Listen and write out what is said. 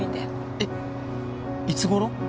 えっいつ頃？